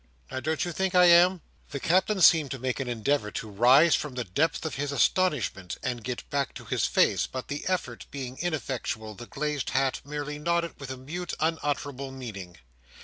Now, don't you think I am?" The Captain seemed to make an endeavour to rise from the depths of his astonishment, and get back to his face; but the effort being ineffectual, the glazed hat merely nodded with a mute, unutterable meaning.